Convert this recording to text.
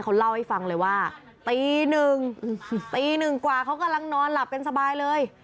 เขาเล่าให้ฟังเลยว่าตีหนึ่งตีหนึ่งกว่าเขากำลังนอนหลับกันสบายเลย